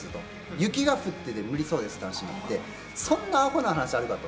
雪が降って無理そうですときてそんなアホな話あるかと。